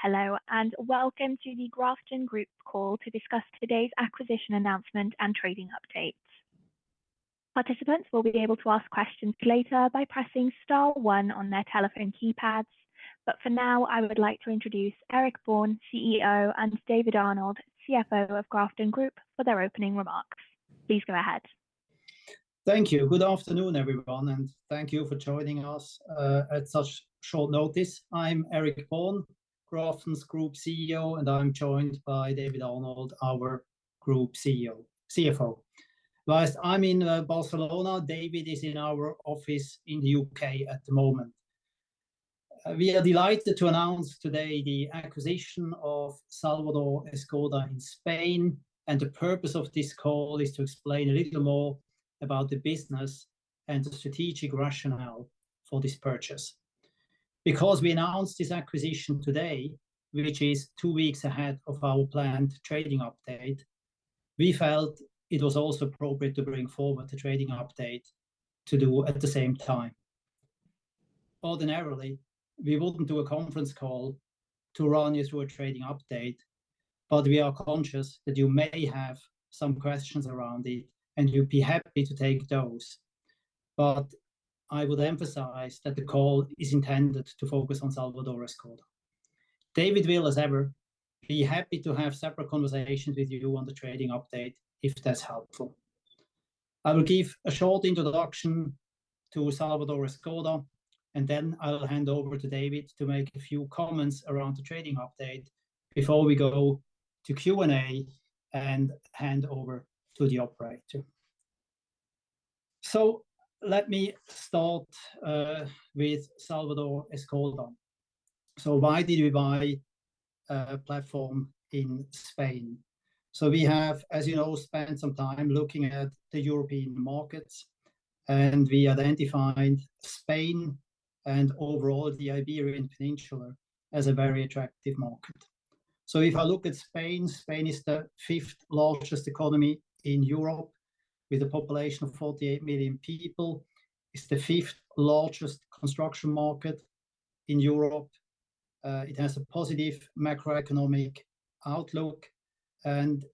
Hello, and welcome to the Grafton Group call to discuss today's acquisition announcement and trading updates. Participants will be able to ask questions later by pressing Star one on their telephone keypads, but for now, I would like to introduce Eric Born, CEO, and David Arnold, CFO of Grafton Group, for their opening remarks. Please go ahead. Thank you. Good afternoon, everyone, and thank you for joining us at such short notice. I'm Eric Born, Grafton Group's CEO, and I'm joined by David Arnold, our Group CFO. Whilst I'm in Barcelona, David is in our office in the U.K. at the moment. We are delighted to announce today the acquisition of Salvador Escoda in Spain, and the purpose of this call is to explain a little more about the business and the strategic rationale for this purchase. Because we announced this acquisition today, which is two weeks ahead of our planned trading update, we felt it was also appropriate to bring forward the trading update to do at the same time. Ordinarily, we wouldn't do a conference call to run you through a trading update, but we are conscious that you may have some questions around it, and we'd be happy to take those. But I would emphasize that the call is intended to focus on Salvador Escoda. David will, as ever, be happy to have separate conversations with you on the trading update if that's helpful. I will give a short introduction to Salvador Escoda, and then I'll hand over to David to make a few comments around the trading update before we go to Q&A and hand over to the operator. So let me start with Salvador Escoda. So why did we buy a platform in Spain? So we have, as you know, spent some time looking at the European markets, and we identified Spain and overall the Iberian Peninsula as a very attractive market. So if I look at Spain, Spain is the fifth largest economy in Europe with a population of 48 million people. It's the fifth largest construction market in Europe. It has a positive macroeconomic outlook and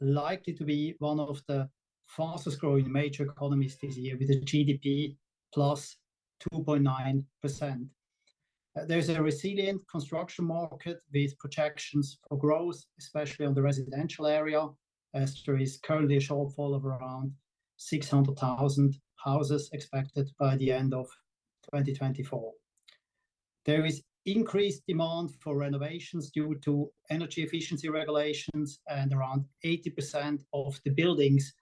is likely to be one of the fastest growing major economies this year with a GDP +2.9%. There's a resilient construction market with projections for growth, especially on the residential area, as there is currently a shortfall of around 600,000 houses expected by the end of 2024. There is increased demand for renovations due to energy efficiency regulations, and around 80% of the buildings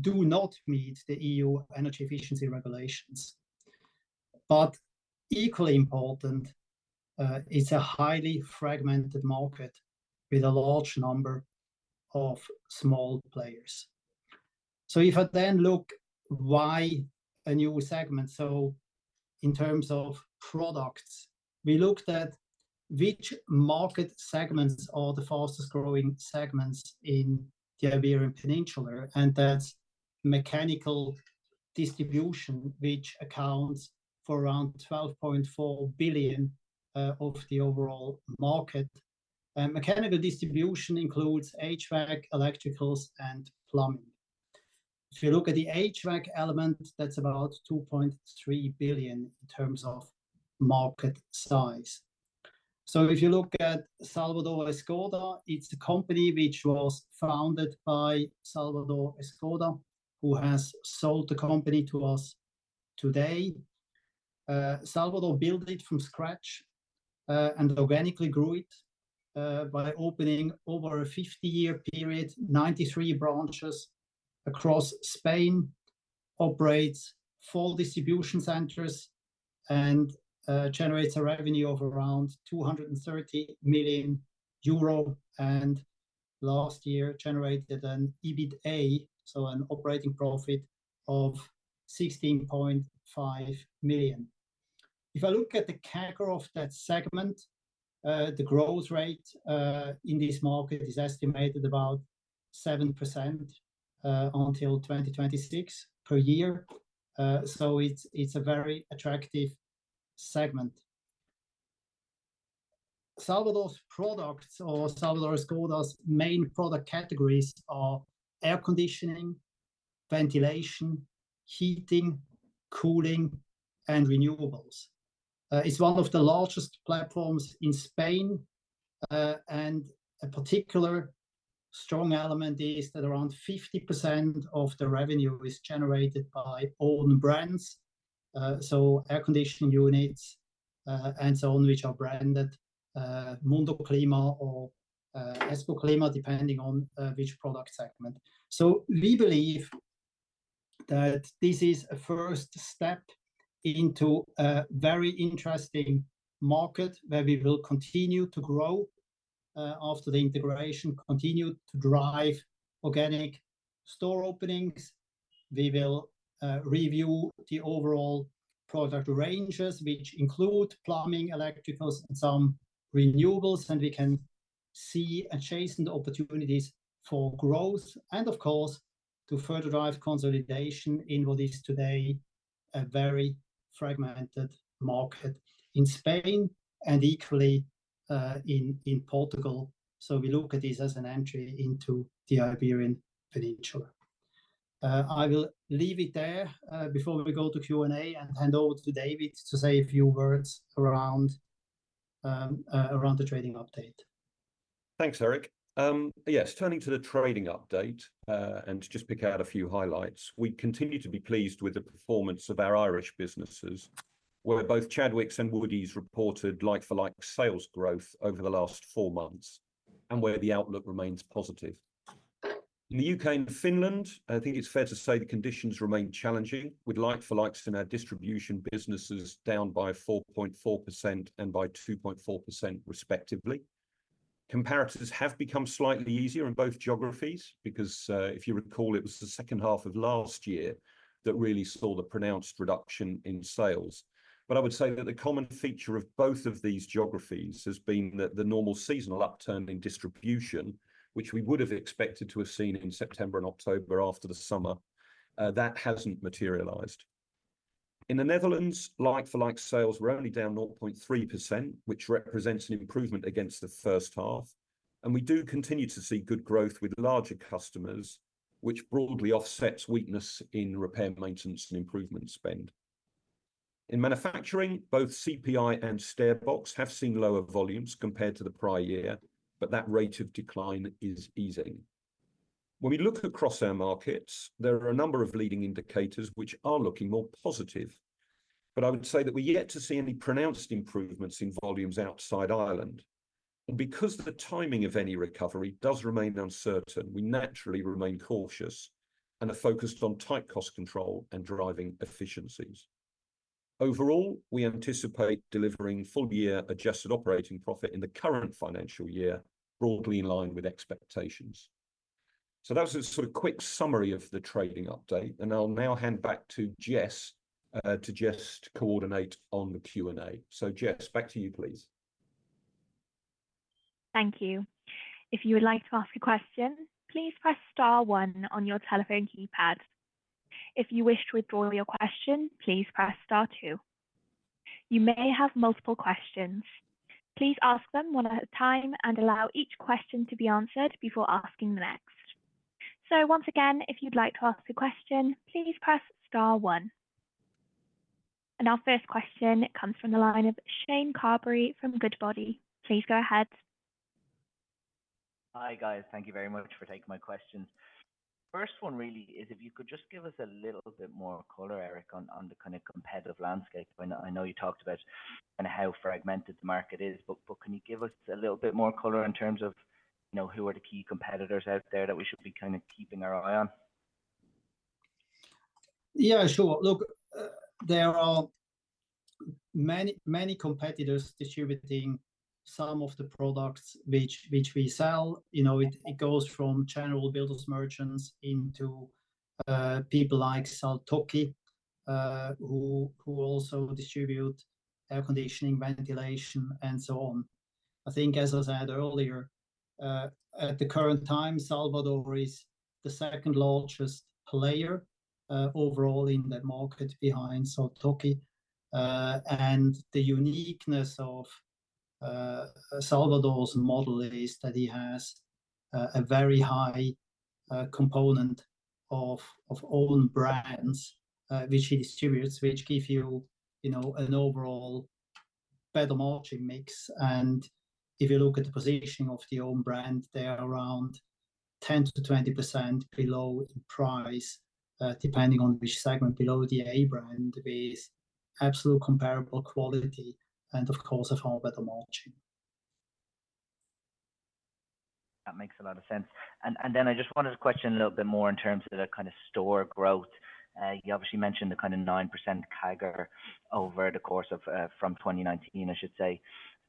do not meet the EU energy efficiency regulations. But equally important, it's a highly fragmented market with a large number of small players. So if I then look at why a new segment, so in terms of products, we looked at which market segments are the fastest growing segments in the Iberian Peninsula, and that's mechanical distribution, which accounts for around 12.4 billion of the overall market. Mechanical distribution includes HVAC, electricals, and plumbing. If you look at the HVAC element, that's about 2.3 billion in terms of market size. So if you look at Salvador Escoda, it's a company which was founded by Salvador Escoda, who has sold the company to us today. Salvador built it from scratch and organically grew it by opening over a 50-year period, 93 branches across Spain, operates four distribution centers, and generates a revenue of around 230 million euro, and last year generated an EBITDA, so an operating profit of 16.5 million. If I look at the CAGR of that segment, the growth rate in this market is estimated about 7% until 2026 per year. So it's a very attractive segment. Salvador's products, or Salvador Escoda's main product categories, are air conditioning, ventilation, heating, cooling, and renewables. It's one of the largest platforms in Spain, and a particular strong element is that around 50% of the revenue is generated by own brands, so air conditioning units and so on, which are branded MundoClima or EscoClima, depending on which product segment. So we believe that this is a first step into a very interesting market where we will continue to grow after the integration, continue to drive organic store openings. We will review the overall product ranges, which include plumbing, electricals, and some renewables, and we can see adjacent opportunities for growth, and of course, to further drive consolidation in what is today a very fragmented market in Spain and equally in Portugal. So we look at this as an entry into the Iberian Peninsula. I will leave it there before we go to Q&A and hand over to David to say a few words around the trading update. Thanks, Eric. Yes, turning to the trading update and to just pick out a few highlights, we continue to be pleased with the performance of our Irish businesses, where both Chadwicks and Woodie's reported like-for-like sales growth over the last four months, and where the outlook remains positive. In the U.K. and Finland, I think it's fair to say the conditions remain challenging, with like-for-likes in our distribution businesses down by 4.4% and by 2.4%, respectively. Comparatives have become slightly easier in both geographies because, if you recall, it was the second half of last year that really saw the pronounced reduction in sales. But I would say that the common feature of both of these geographies has been that the normal seasonal upturn in distribution, which we would have expected to have seen in September and October after the summer, that hasn't materialized. In the Netherlands, like-for-like sales were only down 0.3%, which represents an improvement against the first half, and we do continue to see good growth with larger customers, which broadly offsets weakness in repair, maintenance, and improvement spend. In manufacturing, both CPI and StairBox have seen lower volumes compared to the prior year, but that rate of decline is easing. When we look across our markets, there are a number of leading indicators which are looking more positive, but I would say that we're yet to see any pronounced improvements in volumes outside Ireland. And because the timing of any recovery does remain uncertain, we naturally remain cautious and are focused on tight cost control and driving efficiencies. Overall, we anticipate delivering full-year adjusted operating profit in the current financial year, broadly in line with expectations. So that was a sort of quick summary of the trading update, and I'll now hand back to Jess to just coordinate on the Q&A. So Jess, back to you, please. Thank you. If you would like to ask a question, please press star one on your telephone keypad. If you wish to withdraw your question, please press star two. You may have multiple questions. Please ask them one at a time and allow each question to be answered before asking the next. So once again, if you'd like to ask a question, please press Star one. And our first question comes from the line of Shane Carberry from Goodbody. Please go ahead. Hi guys, thank you very much for taking my questions. First one really is if you could just give us a little bit more color, Eric, on the kind of competitive landscape. I know you talked about kind of how fragmented the market is, but can you give us a little bit more color in terms of who are the key competitors out there that we should be kind of keeping our eye on? Yeah, sure. Look, there are many competitors distributing some of the products which we sell. It goes from general builders' merchants into people like Saltoki, who also distribute air conditioning, ventilation, and so on. I think, as I said earlier, at the current time, Salvador is the second largest player overall in the market behind Saltoki. And the uniqueness of Salvador's model is that he has a very high component of own brands which he distributes, which gives you an overall better margin mix. And if you look at the positioning of the own brand, they are around 10%-20% below in price, depending on which segment below the A brand with absolute comparable quality and, of course, a far better margin. That makes a lot of sense. And then I just wanted to question a little bit more in terms of the kind of store growth. You obviously mentioned the kind of 9% CAGR over the course of from 2019, I should say.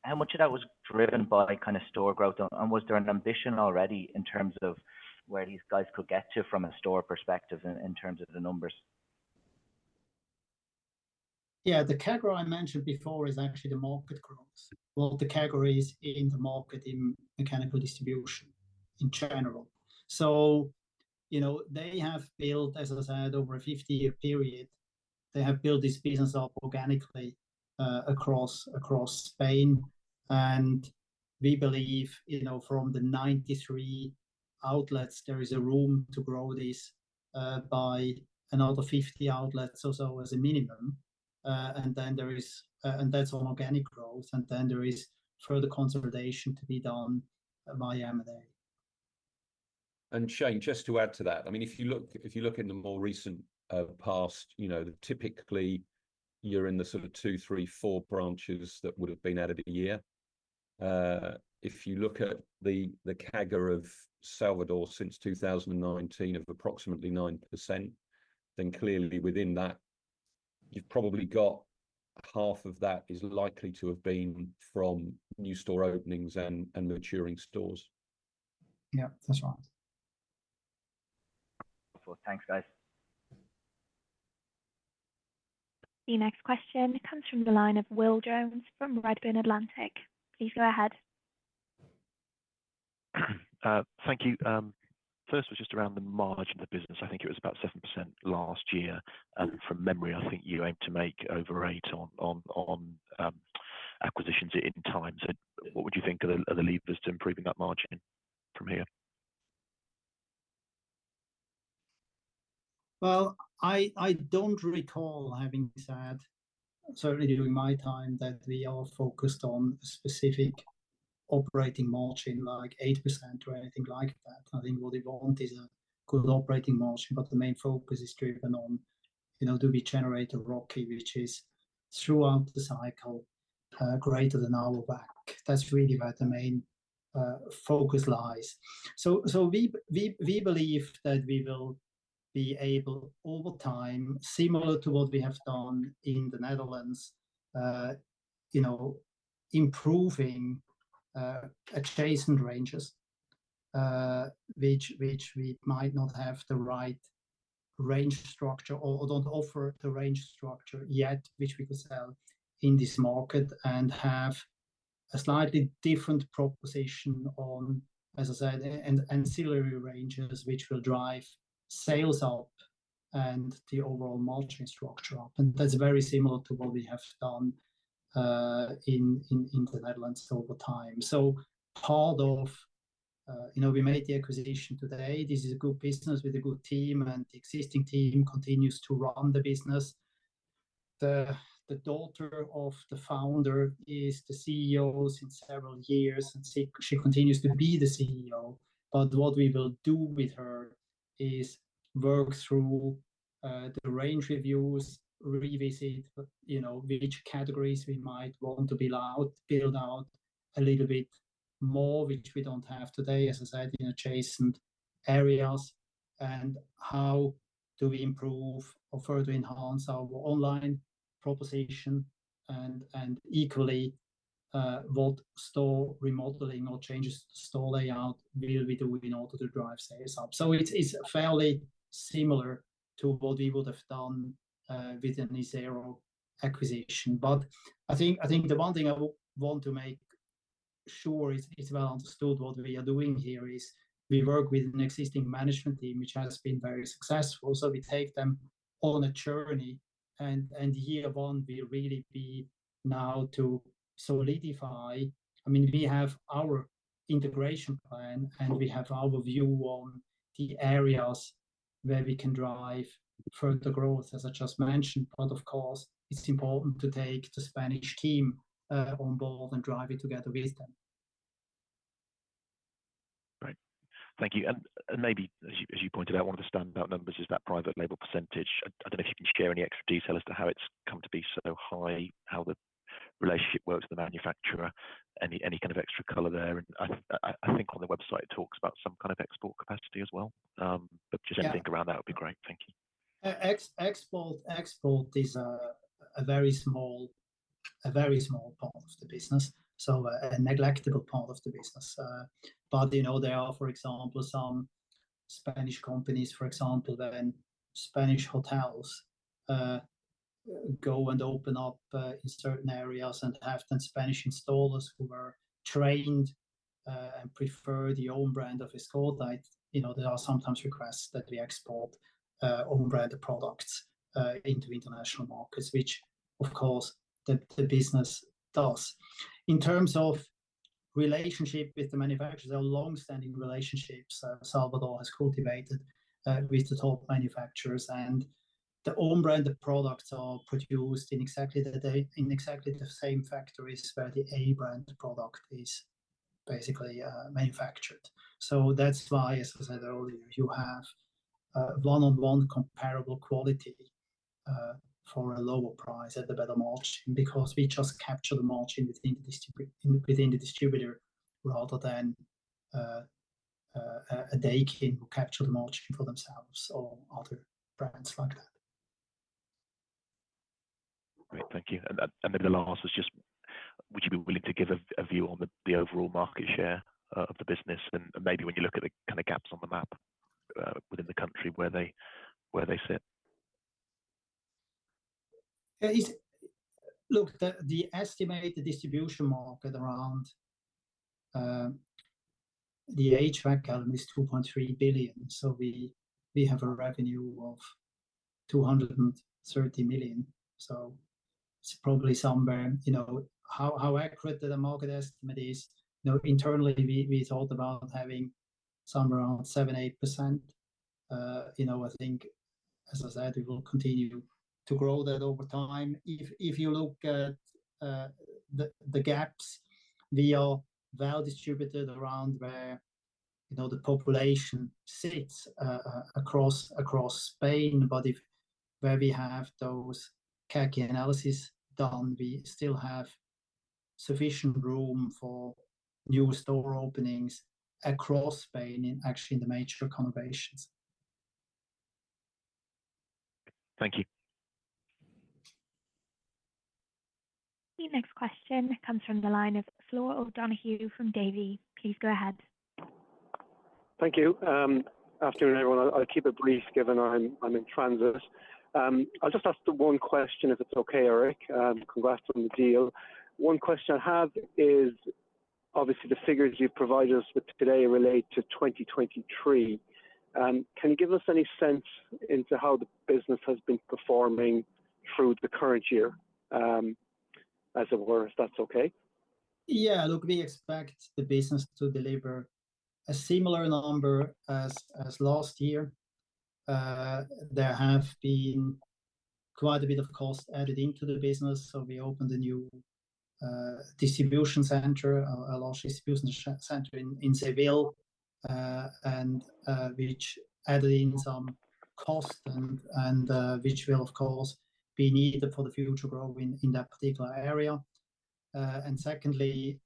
How much of that was driven by kind of store growth, and was there an ambition already in terms of where these guys could get to from a store perspective in terms of the numbers? Yeah, the CAGR I mentioned before is actually the market growth of the CAGRs in the market in mechanical distribution in general. So they have built, as I said, over a 50-year period, they have built this business up organically across Spain, and we believe from the 93 outlets, there is a room to grow this by another 50 outlets or so as a minimum. And then there is, and that's on organic growth, and then there is further consolidation to be done by M&A. And Shane, just to add to that, I mean, if you look in the more recent past, typically you're in the sort of two, three, four branches that would have been out of the year. If you look at the CAGR of Salvador since 2019 of approximately 9%, then clearly within that, you've probably got half of that is likely to have been from new store openings and maturing stores. Yeah, that's right. Cool. Thanks, guys. The next question comes from the line of Will Jones from Redburn Atlantic. Please go ahead. Thank you. First was just around the margin of the business. I think it was about 7% last year, and from memory, I think you aimed to make over 8% on acquisitions in time, so what would you think are the levers to improving that margin from here? I don't recall having said, certainly during my time, that we are focused on a specific operating margin like 8% or anything like that. I think what we want is a good operating margin, but the main focus is driven on do we generate a ROCE, which is throughout the cycle greater than our back. That's really where the main focus lies. We believe that we will be able over time, similar to what we have done in the Netherlands, improving adjacent ranges, which we might not have the right range structure or don't offer the range structure yet, which we could sell in this market and have a slightly different proposition on, as I said, ancillary ranges, which will drive sales up and the overall margin structure up. That's very similar to what we have done in the Netherlands over time. So, part of why we made the acquisition today. This is a good business with a good team, and the existing team continues to run the business. The daughter of the founder is the CEO since several years, and she continues to be the CEO. But what we will do with her is work through the range reviews, revisit which categories we might want to build out a little bit more, which we don't have today, as I said, in adjacent areas, and how do we improve or further enhance our online proposition, and equally what store remodeling or changes to store layout will we do in order to drive sales up. So it's fairly similar to what we would have done with the Isero acquisition. But I think the one thing I want to make sure it's well understood what we are doing here is we work with an existing management team, which has been very successful. So we take them on a journey, and year one, we really begin now to solidify. I mean, we have our integration plan, and we have our view on the areas where we can drive further growth, as I just mentioned. But of course, it's important to take the Spanish team on board and drive it together with them. Right. Thank you, and maybe, as you pointed out, one of the standout numbers is that private label percentage. I don't know if you can share any extra detail as to how it's come to be so high, how the relationship works with the manufacturer, any kind of extra color there? And I think on the website, it talks about some kind of export capacity as well. But just anything around that would be great. Thank you. Export is a very small part of the business, so a negligible part of the business. But there are, for example, some Spanish companies, for example, when Spanish hotels go and open up in certain areas and have then Spanish installers who are trained and prefer the own brand of EscoClima, there are sometimes requests that we export own brand products into international markets, which, of course, the business does. In terms of relationship with the manufacturers, there are long-standing relationships Salvador has cultivated with the top manufacturers, and the own brand products are produced in exactly the same factories where the A brand product is basically manufactured. So that's why, as I said earlier, you have one-on-one comparable quality for a lower price at the better margin because we just capture the margin within the distributor rather than a Daikin who capture the margin for themselves or other brands like that. Great. Thank you. And then the last is just, would you be willing to give a view on the overall market share of the business and maybe when you look at the kind of gaps on the map within the country where they sit? Look, the estimated distribution market around the HVAC column is 2.3 billion. So we have a revenue of 230 million. So it's probably somewhere how accurate the market estimate is, internally, we thought about having somewhere around 7%-8%. I think, as I said, we will continue to grow that over time. If you look at the gaps, we are well distributed around where the population sits across Spain. But where we have those CAGR analysis done, we still have sufficient room for new store openings across Spain, actually in the major conurbations. Thank you. The next question comes from the line of Flor O'Donoghue from Davy. Please go ahead. Thank you. Afternoon, everyone. I'll keep it brief given I'm in transit. I'll just ask the one question if it's okay, Eric. Congrats on the deal. One question I have is, obviously, the figures you've provided us with today relate to 2023. Can you give us any sense into how the business has been performing through the current year, as it were, if that's okay? Yeah. Look, we expect the business to deliver a similar number as last year. There have been quite a bit of cost added into the business, so we opened a new distribution center, a large distribution center in Seville, which added in some cost and which will, of course, be needed for the future growth in that particular area. And secondly,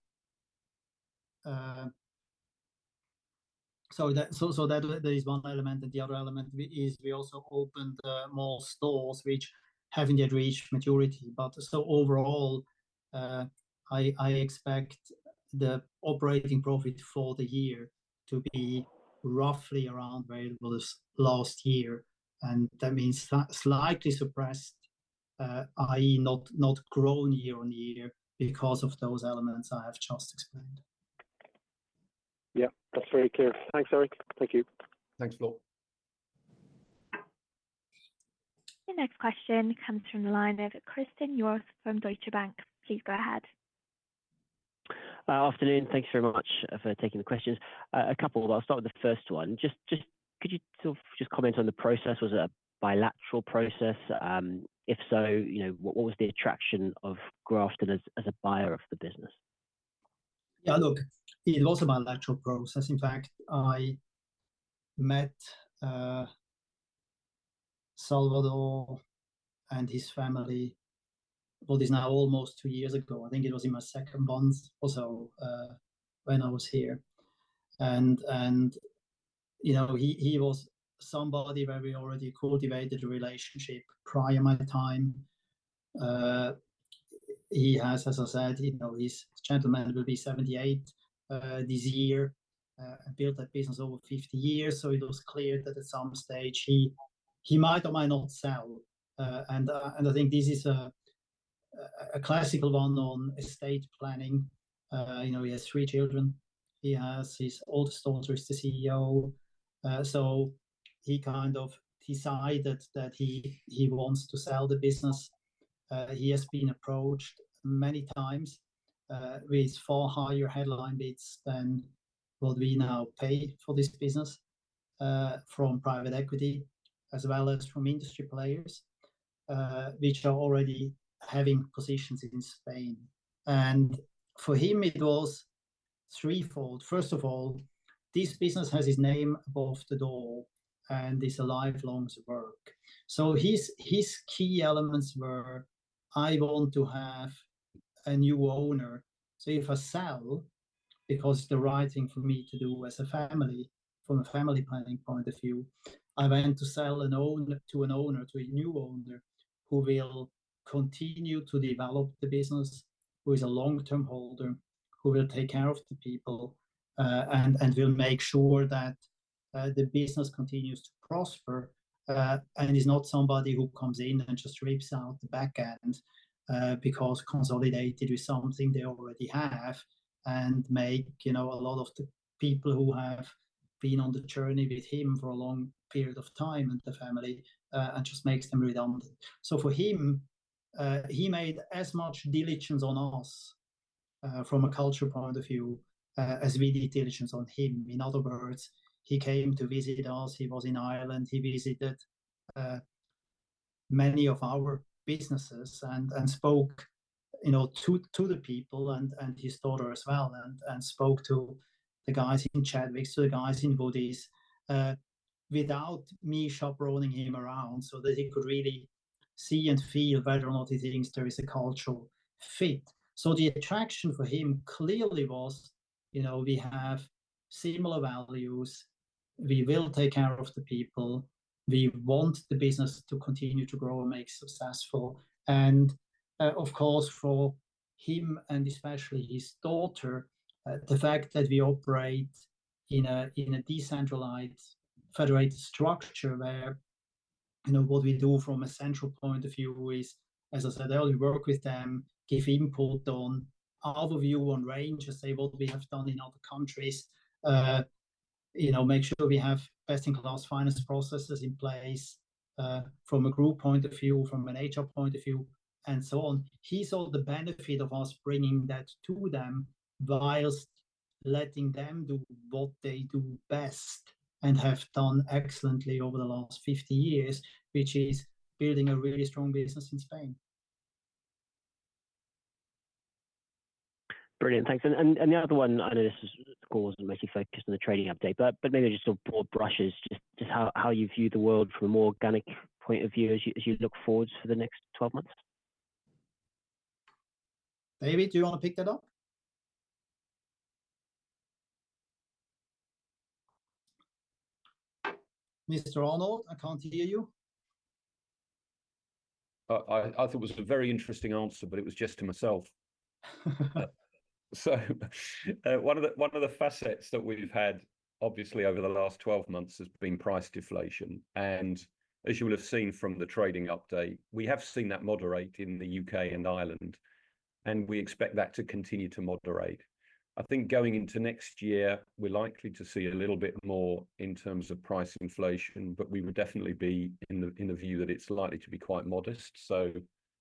so there is one element, and the other element is we also opened more stores which haven't yet reached maturity, but so overall, I expect the operating profit for the year to be roughly around where it was last year. And that means slightly suppressed, i.e., not grown year on year because of those elements I have just explained. Yeah, that's very clear. Thanks, Eric. Thank you. Thanks, Flor. The next question comes from the line of Christen Hjorth from Deutsche Bank. Please go ahead. Afternoon. Thanks very much for taking the questions. A couple of them. I'll start with the first one. Just could you sort of just comment on the process? Was it a bilateral process? If so, what was the attraction of Grafton as a buyer of the business? Yeah, look, it was a bilateral process. In fact, I met Salvador and his family, what is now almost two years ago. I think it was in my second month or so when I was here, and he was somebody where we already cultivated a relationship prior to my time. He has, as I said, he's a gentleman, will be 78 this year, built a business over 50 years, so it was clear that at some stage he might or might not sell, and I think this is a classical one on estate planning. He has three children. He has his oldest daughter as the CEO, so he kind of decided that he wants to sell the business. He has been approached many times with far higher headline bids than what we now pay for this business from private equity as well as from industry players which are already having positions in Spain, and for him, it was threefold. First of all, this business has his name above the door and is a lifelong work. His key elements were, "I want to have a new owner." If I sell, because it's the right thing for me to do as a family from a family planning point of view, I want to sell to an owner, to a new owner who will continue to develop the business, who is a long-term holder. Who will take care of the people and will make sure that the business continues to prosper and is not somebody who comes in and just rips out the back end because consolidated with something they already have and make a lot of the people who have been on the journey with him for a long period of time and the family and just makes them redundant. For him, he made as much diligence on us from a cultural point of view as we did diligence on him. In other words, he came to visit us. He was in Ireland. He visited many of our businesses and spoke to the people and his daughter as well and spoke to the guys in Chadwicks, to the guys in Woodie's without me showing him around so that he could really see and feel whether or not he thinks there is a cultural fit. So the attraction for him clearly was we have similar values. We will take care of the people. We want the business to continue to grow and make successful. Of course, for him and especially his daughter, the fact that we operate in a decentralized federated structure where what we do from a central point of view is, as I said earlier, work with them, give input on our view on ranges, say, what we have done in other countries, make sure we have best-in-class finance processes in place from a group point of view, from an HR point of view, and so on. He saw the benefit of us bringing that to them whilst letting them do what they do best and have done excellently over the last 50 years, which is building a really strong business in Spain. Brilliant. Thanks, and the other one, I know this is of course mostly focused on the trading update, but maybe just sort of broad brushes, just how you view the world from a more organic point of view as you look forward to the next 12 months. David, do you want to pick that up? Mr. Arnold, I can't hear you. I thought it was a very interesting answer, but it was just to myself. So one of the facets that we've had, obviously, over the last 12 months has been price deflation. And as you will have seen from the trading update, we have seen that moderation in the U.K. and Ireland, and we expect that to continue to moderate. I think going into next year, we're likely to see a little bit more in terms of price inflation, but we would definitely be in the view that it's likely to be quite modest, so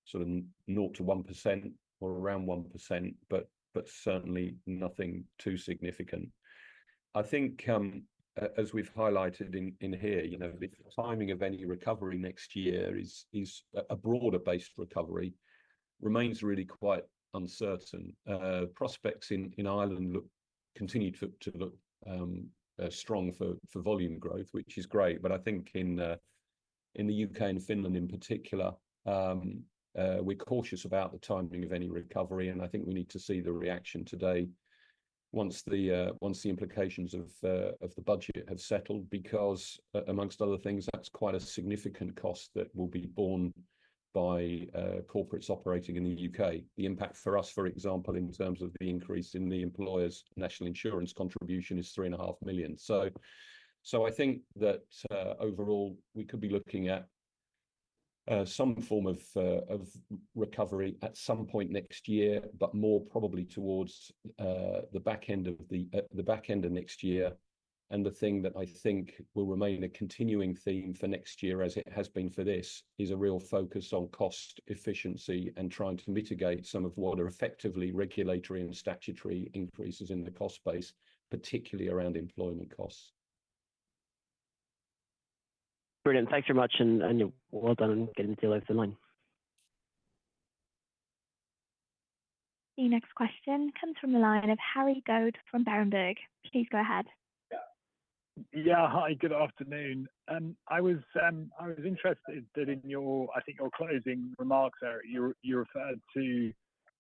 sort of 0% to 1% or around 1%, but certainly nothing too significant. I think as we've highlighted in here, the timing of any recovery next year, a broader-based recovery, remains really quite uncertain. Prospects in Ireland continue to look strong for volume growth, which is great. But I think in the U.K. and Finland in particular, we're cautious about the timing of any recovery, and I think we need to see the reaction today once the implications of the budget have settled because, amongst other things, that's quite a significant cost that will be borne by corporates operating in the U.K. The impact for us, for example, in terms of the increase in the employer's national insurance contribution is 3.5 million. So I think that overall, we could be looking at some form of recovery at some point next year, but more probably towards the back end of next year. The thing that I think will remain a continuing theme for next year, as it has been for this, is a real focus on cost efficiency and trying to mitigate some of what are effectively regulatory and statutory increases in the cost base, particularly around employment costs. Brilliant. Thanks very much, and well done on getting to the left of the line. The next question comes from the line of Harry Goad from Berenberg. Please go ahead. Yeah. Yeah. Hi, good afternoon. I was interested in your, I think your closing remarks, Eric. You referred to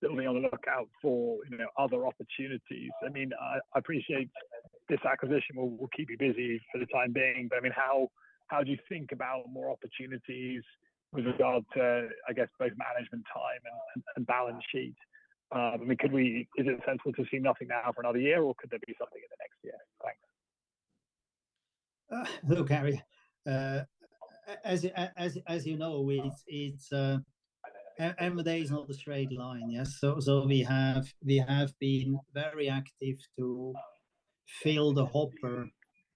being on the lookout for other opportunities. I mean, I appreciate this acquisition will keep you busy for the time being, but I mean, how do you think about more opportunities with regard to, I guess, both management time and balance sheet? I mean, is it sensible to see nothing now for another year, or could there be something in the next year? Thanks. Hello, Goad. As you know, M&A is not a straight line, yes? So we have been very active to fill the hopper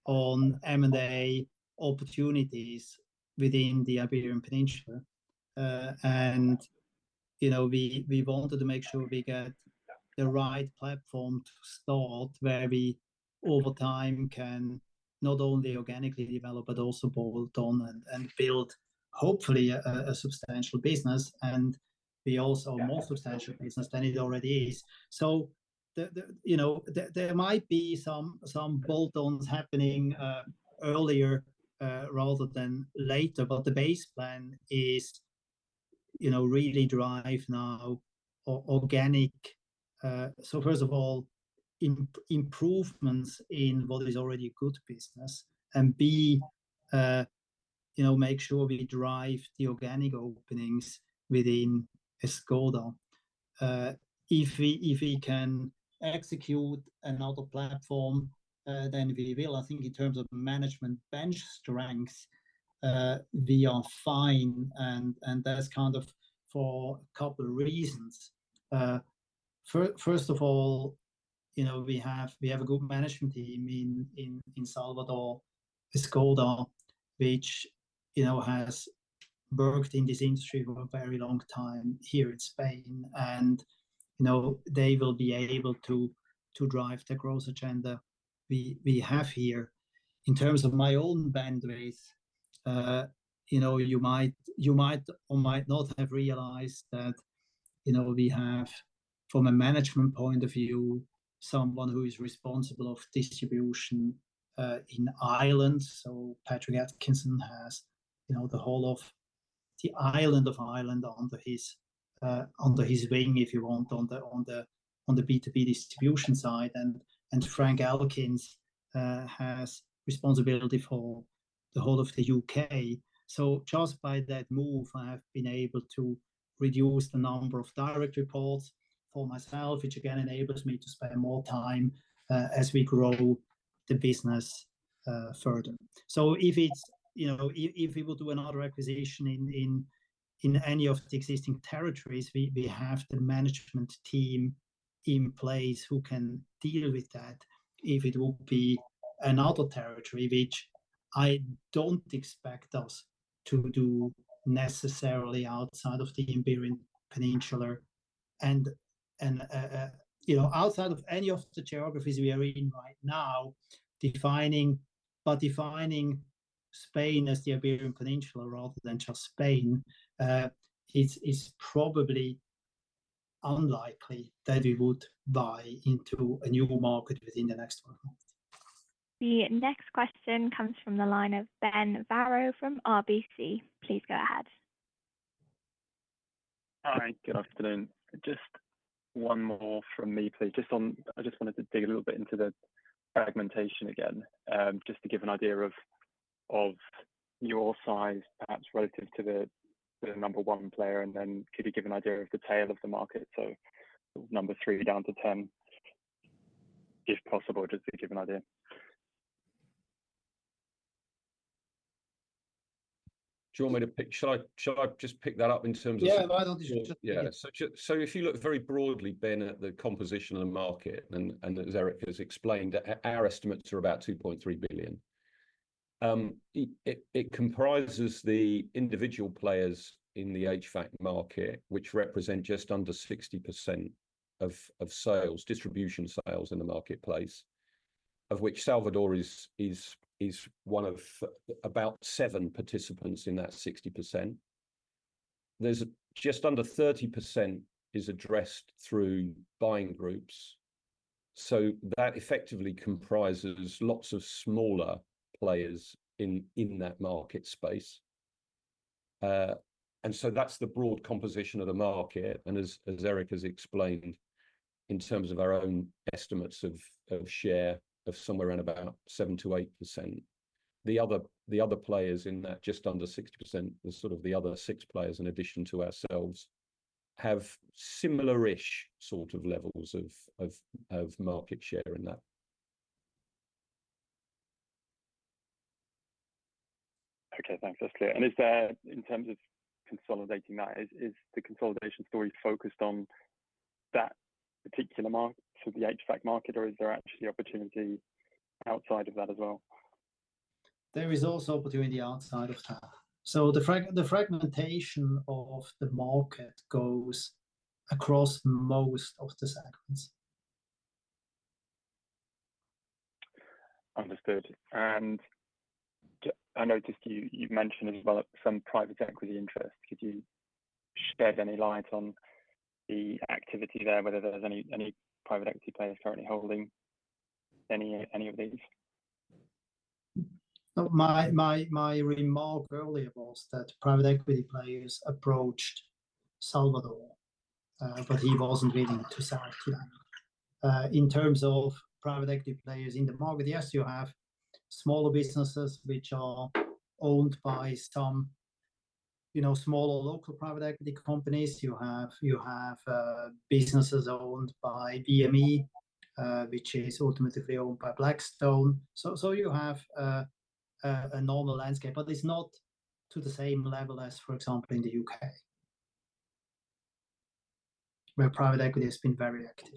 on M&A opportunities within the Iberian Peninsula. And we wanted to make sure we get the right platform to start where we over time can not only organically develop, but also bolt on and build, hopefully, a substantial business and be also a more substantial business than it already is. So there might be some bolt-ons happening earlier rather than later, but the base plan is really drive now organic. So first of all, improvements in what is already a good business, and B, make sure we drive the organic openings within Escoda. If we can execute another platform, then we will. I think in terms of management bench strength, we are fine. And that's kind of for a couple of reasons. First of all, we have a good management team in Salvador Escoda, which has worked in this industry for a very long time here in Spain. And they will be able to drive the growth agenda we have here. In terms of my own bandwidth, you might or might not have realized that we have, from a management point of view, someone who is responsible of distribution in Ireland. So Patrick Atkinson has the whole of the island of Ireland under his wing, if you want, on the B2B distribution side. And Frank Elkins has responsibility for the whole of the U.K. So just by that move, I have been able to reduce the number of direct reports for myself, which again enables me to spend more time as we grow the business further. So if we will do another acquisition in any of the existing territories, we have the management team in place who can deal with that if it will be another territory, which I don't expect us to do necessarily outside of the Iberian Peninsula. And outside of any of the geographies we are in right now, but defining Spain as the Iberian Peninsula rather than just Spain is probably unlikely that we would buy into a new market within the next 12 months. The next question comes from the line of Ben Barrow from RBC. Please go ahead. Hi, good afternoon. Just one more from me, please. I just wanted to dig a little bit into the fragmentation again, just to give an idea of your size, perhaps relative to the number one player, and then could you give an idea of the tail of the market? So number three down to 10, if possible, just to give an idea. Do you want me to pick? Shall I just pick that up in terms of? Yeah, why don't you just? Yeah. So if you look very broadly, Ben, at the composition of the market, and as Eric has explained, our estimates are about 2.3 billion. It comprises the individual players in the HVAC market, which represent just under 60% of sales, distribution sales in the marketplace, of which Salvador is one of about seven participants in that 60%. Just under 30% is addressed through buying groups. So that effectively comprises lots of smaller players in that market space. And as Eric has explained, in terms of our own estimates of share, of somewhere around about 7%-8%, the other players in that just under 60%, the sort of the other six players in addition to ourselves, have similar-ish sort of levels of market share in that. Okay, thanks. That's clear. And in terms of consolidating that, is the consolidation story focused on that particular market, so the HVAC market, or is there actually opportunity outside of that as well? There is also opportunity outside of that. So the fragmentation of the market goes across most of the segments. Understood. And I noticed you mentioned as well some private equity interests. Could you shed any light on the activity there, whether there's any private equity players currently holding any of these? My remark earlier was that private equity players approached Salvador, but he wasn't really to sell to them. In terms of private equity players in the market, yes, you have smaller businesses which are owned by some smaller local private equity companies. You have businesses owned by BME, which is ultimately owned by Blackstone. So you have a normal landscape, but it's not to the same level as, for example, in the U.K., where private equity has been very active.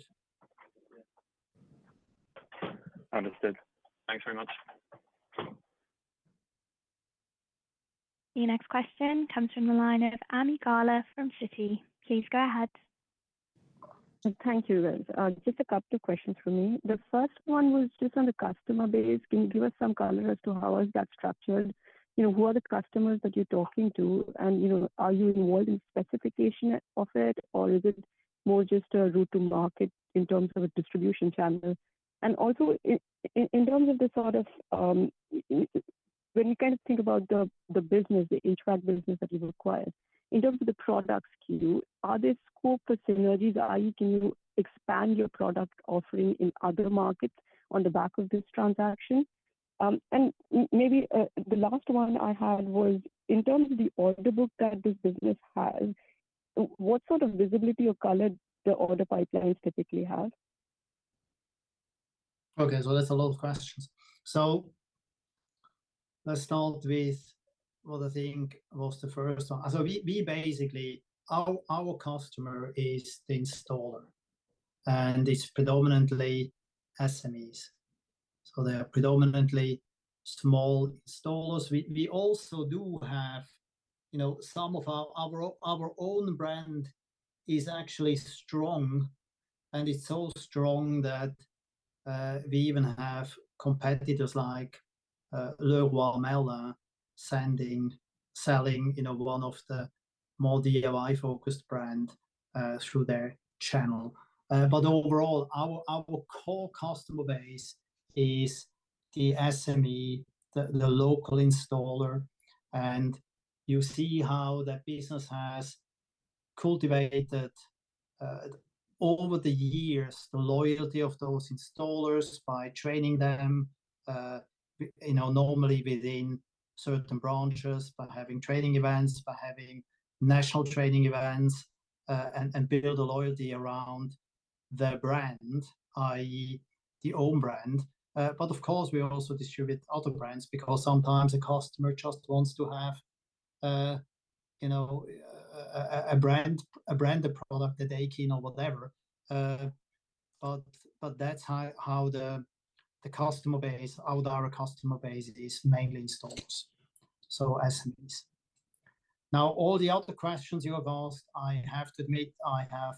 Understood. Thanks very much. The next question comes from the line of Ami Galla from Citi. Please go ahead. Thank you. Just a couple of questions for me. The first one was just on the customer base. Can you give us some color as to how is that structured? Who are the customers that you're talking to? And are you involved in specification of it, or is it more just a route to market in terms of a distribution channel? And also, in terms of the sort of when you kind of think about the business, the HVAC business that you require, in terms of the product SKU, are there scope for synergies, i.e., can you expand your product offering in other markets on the back of this transaction? And maybe the last one I had was, in terms of the order book that this business has, what sort of visibility or color do order pipelines typically have? Okay, so that's a lot of questions. So let's start with what I think was the first one. So basically, our customer is the installer, and it's predominantly SMEs. So they are predominantly small installers. We also do have some of our own brand is actually strong, and it's so strong that we even have competitors like Leroy Merlin selling one of the more DIY-focused brands through their channel. But overall, our core customer base is the SME, the local installer. And you see how that business has cultivated over the years the loyalty of those installers by training them normally within certain branches, by having training events, by having national training events, and build a loyalty around their brand, i.e., the own brand. But of course, we also distribute other brands because sometimes a customer just wants to have a brand, a product that they're keen on, whatever. But that's how the customer base, our customer base, is mainly installers, so SMEs. Now, all the other questions you have asked, I have to admit I have.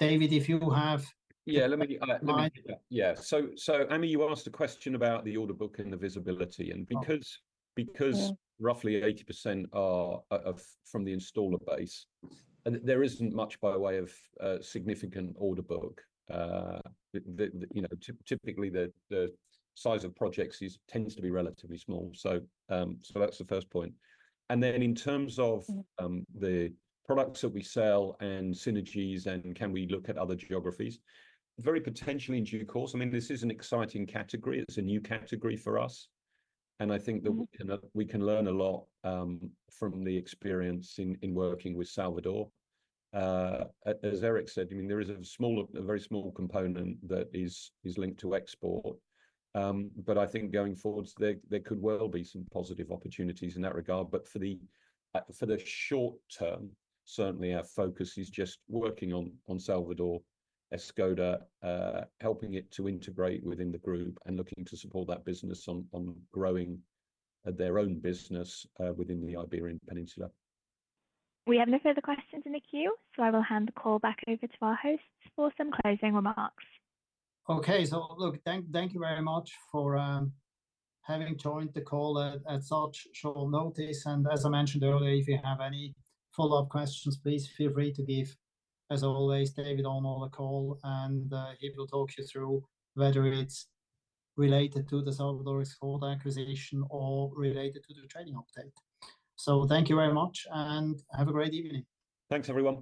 David, if you have. Yeah, let me do that. Yeah. So Amy, you asked a question about the order book and the visibility. And because roughly 80% are from the installer base, there isn't much by way of significant order book. Typically, the size of projects tends to be relatively small. So that's the first point. And then in terms of the products that we sell and synergies and can we look at other geographies, very potentially in due course. I mean, this is an exciting category. It's a new category for us. And I think that we can learn a lot from the experience in working with Salvador. As Eric said, I mean, there is a very small component that is linked to export. But I think going forward, there could well be some positive opportunities in that regard. But for the short term, certainly our focus is just working on Salvador Escoda, helping it to integrate within the group and looking to support that business on growing their own business within the Iberian Peninsula. We have no further questions in the queue, so I will hand the call back over to our hosts for some closing remarks. Okay. So look, thank you very much for having joined the call at such short notice. And as I mentioned earlier, if you have any follow-up questions, please feel free to give, as always, David Arnold a call, and he will talk you through whether it's related to the Salvador Escoda acquisition or related to the trading update. So thank you very much, and have a great evening. Thanks everyone.